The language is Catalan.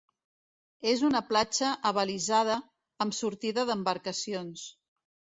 És una platja abalisada amb sortida d'embarcacions.